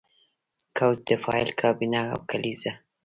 کوچ د فایل کابینه او کلیزه